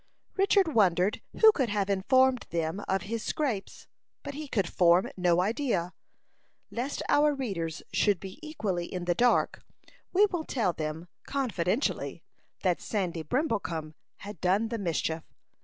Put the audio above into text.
Richard wondered who could have informed them of his scrapes, but he could form no idea. Lest our readers should be equally in the dark, we will tell them, confidentially, that Sandy Brimblecom had done the mischief.